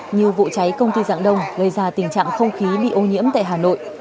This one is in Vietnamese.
như vụ cháy công ty dạng đông gây ra tình trạng không khí bị ô nhiễm tại hà nội